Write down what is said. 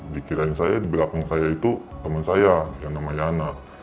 dikirain belakang saya itu temen saya yang namanya ana